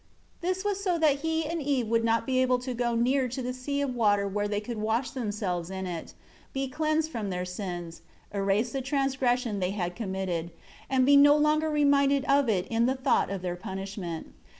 This was so that he and Eve would not be able to go near to the sea of water where they could wash themselves in it, be cleansed from their sins, erase the transgression they had committed, and be no longer reminded of it in the thought of their punishment.